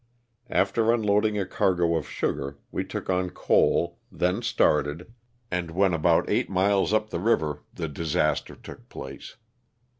After unloading a cargo of sugar we took on coal, then started, and when about eight miles up the river the disaster took place.